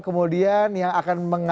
kemudian yang akan mengenai